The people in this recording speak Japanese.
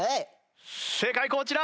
正解こちら！